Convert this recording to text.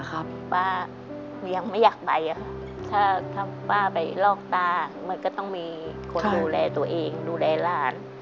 ป้ายังไม่อยากไปถ้าป้าไปลอกตามันก็ต้องมีคนดูแลตัวเองดูแลหลาน